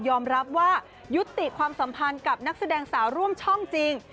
ยอมรับว่ายุติธรรมกับนักแสดงสาร่วมช่องจริง